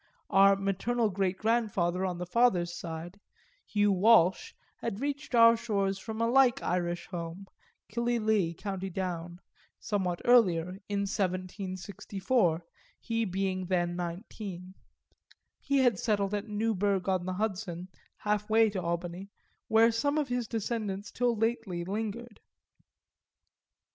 Our maternal greatgrandfather on the father's side, Hugh Walsh, had reached our shores from a like Irish home, Killyleagh, county Down, somewhat earlier, in 1764, he being then nineteen; he had settled at Newburgh on the Hudson, half way to Albany, where some of his descendants till lately lingered.